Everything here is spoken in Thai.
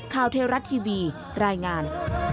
เทวรัฐทีวีรายงาน